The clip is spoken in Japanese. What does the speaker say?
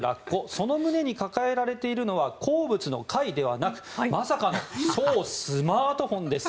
その胸に抱えられているのは好物の貝ではなくまさかのそうスマートフォンです。